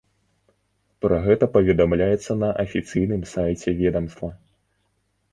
Пра гэта паведамляецца на афіцыйным сайце ведамства.